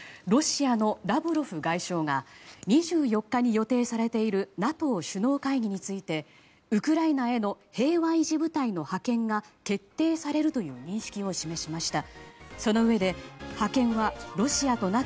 ロシアのラブロフ外相が２４日に予定されているＮＡＴＯ首脳会議についてウクライナへの平和維持部隊の派遣が決定されるという認識を示しました。